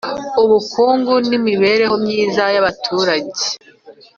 Ubukungu n Imibereho Myiza y Abaturage